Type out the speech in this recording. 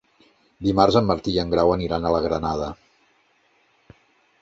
Dimarts en Martí i en Grau aniran a la Granada.